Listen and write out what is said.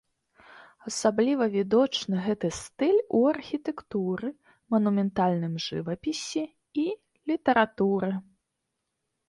Асабліва відочны гэты стыль у архітэктуры, манументальным жывапісе і літаратуры.